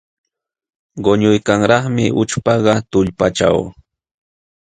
Qunuykanlaqmi ućhpakaq tullpaaćhu.